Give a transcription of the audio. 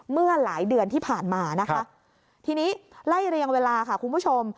เมื่อหลายเดือนที่ผ่านมานะคะทีนี้ไล่เรียงเวลาค่ะคุณผู้ชม